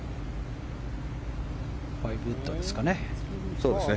５ウッドですかね。